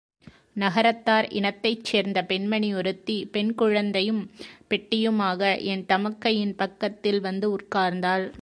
நகரத்தார் இனத்தைச் சேர்ந்த பெண்மணி ஒருத்தி, பெண்குழந்தையும் பெட்டியுமாக என் தமக்கையின் பக்கத்தில் வந்து உட்கார்ந்தாள்.